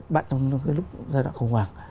bạn trong lúc giai đoạn khủng hoảng